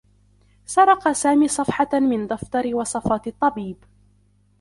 سرق سامي صفحة من دفتر وصفات الطّبيب.